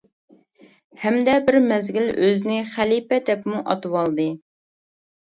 ھەمدە بىر مەزگىل ئۆزىنى «خەلىپە» دەپمۇ ئاتىۋالدى.